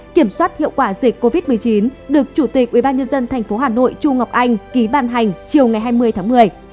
kiểm soát hiệu quả dịch covid một mươi chín được chủ tịch ubnd tp hà nội chu ngọc anh ký bàn hành chiều ngày hai mươi tháng một mươi